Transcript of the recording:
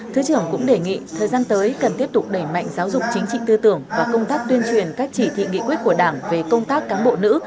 thứ trưởng cũng đề nghị thời gian tới cần tiếp tục đẩy mạnh giáo dục chính trị tư tưởng và công tác tuyên truyền các chỉ thị nghị quyết của đảng về công tác cán bộ nữ